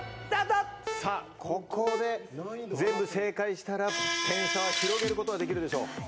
ここで全部正解したら点差は広げることができるでしょう。